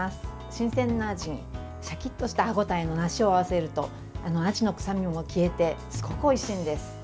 新鮮なあじに、シャキッとした歯応えの梨を合わせるとあじの臭みも消えてすごくおいしいんです。